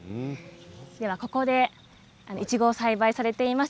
ではここでいちごを栽培されています